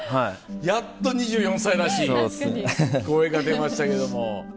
やっと２４歳らしい声が出ましたけども。